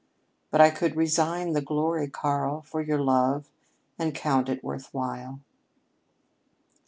But I could resign the glory, Karl, for your love, and count it worth while."